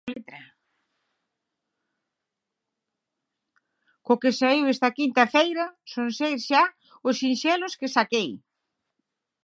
Co que saíu esta quinta feira, son seis xa os sinxelos que saquei.